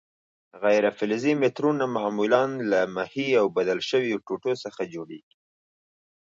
غیر فلزي مترونه معمولاً له محې او بدل شویو ټوټو څخه جوړیږي.